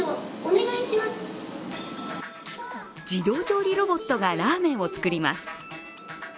自動調理ロボットがラーメンを作ります。